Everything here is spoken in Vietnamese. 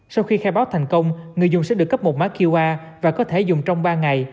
sau khi khai báo thành công người dùng sẽ được cấp một mã qr và có thể dùng trong ba ngày